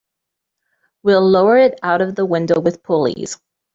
We'll lower it out of the window with pulleys.